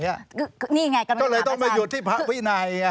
นี่ไงกรรมงานหาอาจารย์ก็เลยต้องมาหยุดที่ภาวินัย